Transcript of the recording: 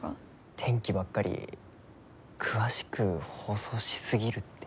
天気ばっかり詳しく放送しすぎるって。